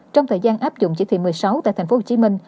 trong thời gian áp dụng chỉ thị một mươi sáu tại tp hcm